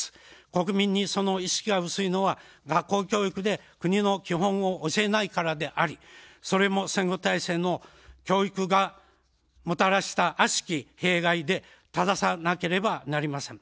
国民にその意識が薄いのは学校教育で国の基本を教えないからであり、それも戦後体制の教育がもたらした悪しき弊害でたださなければなりません。